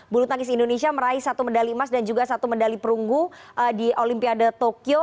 bulu tangkis indonesia meraih satu medali emas dan juga satu medali perunggu di olimpiade tokyo